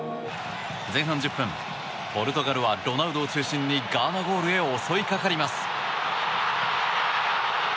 前半１０分、ポルトガルはロナウドを中心にガーナゴールへ襲いかかります。